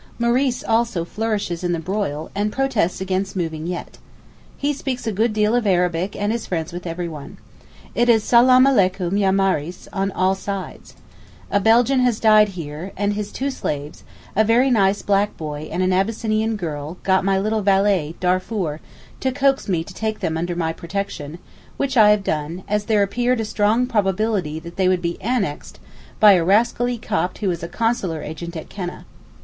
Maurice also flourishes in the broil, and protests against moving yet. He speaks a good deal of Arabic and is friends with everyone. It is Salaam aleykoum ya maris on all sides. A Belgian has died here, and his two slaves, a very nice black boy and an Abyssinian girl, got my little varlet, Darfour, to coax me to take them under my protection, which I have done, as there appeared a strong probability that they would be 'annexed' by a rascally Copt who is a Consular agent at Keneh.